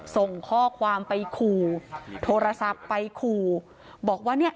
ส่งข้อความไปขู่โทรศัพท์ไปขู่บอกว่าเนี่ย